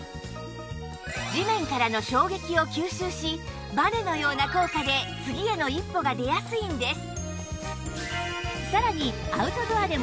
地面からの衝撃を吸収しバネのような効果で次への一歩が出やすいんです